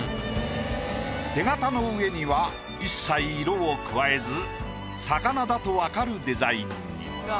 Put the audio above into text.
手形の上には一切色を加えず魚だと分かるデザインに。